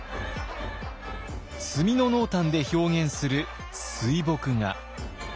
墨の濃淡で表現する水墨画。